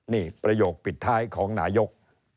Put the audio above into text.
นี่ประโยคปิดท้ายของนายก